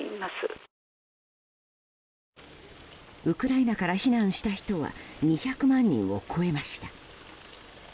ウクライナから避難した人は２００万人を超えました。